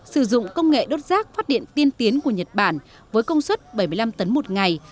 sử dụng công nghệ đốt rác phát điện tiên tiến của nhật bản với công suất bảy mươi năm tấn một ngày